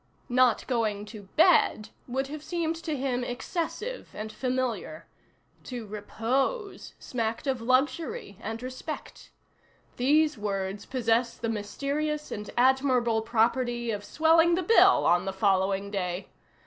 Not going to bed would have seemed to him excessive and familiar. To repose smacked of luxury and respect. These words possess the mysterious and admirable property of swelling the bill on the following day.